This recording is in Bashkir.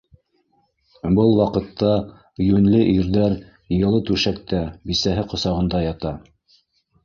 Был ваҡытта йүнле ирҙәр йылы түшәктә... бисәһе ҡосағында ята!